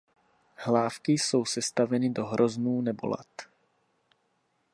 Hlávky jsou sestaveny do hroznů nebo lat.